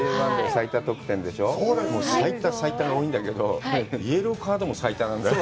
最多最多が多いんだけど、イエローカードも最多なんだよ。